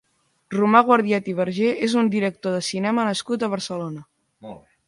Romà Guardiet i Bergé és un director de cinema nascut a Barcelona.